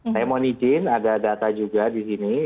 saya mohon izin ada data juga di sini